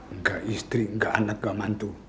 enggak istri enggak anak enggak mantu